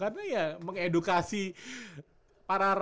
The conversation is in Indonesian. karena ya mengedukasi para runner